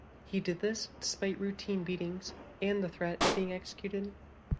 He did this despite routine beatings and the threat of being executed.